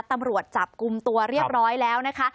ตำรวจจับกลุ่มตัวเรียบร้อยแล้วนะคะ